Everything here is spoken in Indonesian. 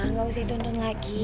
enggak usah dituntun lagi